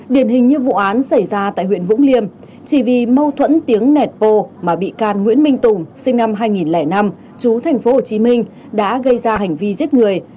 điển hình như vụ án xảy ra tại huyện vũng liêm chỉ vì mâu thuẫn tiếng nẹt bô mà bị can nguyễn minh tùng sinh năm hai nghìn năm chú tp hcm đã gây ra hành vi giết người